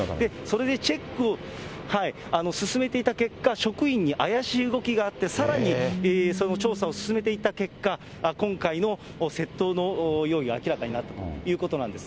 チェックを、進めていた結果、職員に怪しい動きがあって、さらにそれの調査を進めていった結果、今回の窃盗の容疑が明らかになったということなんです。